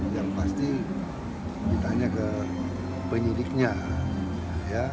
yang pasti ditanya ke penyidiknya